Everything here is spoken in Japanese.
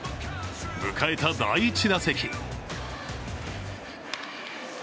迎えた第１打席。